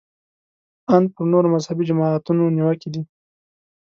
ان پر نورو مذهبي جماعتونو نیوکې دي.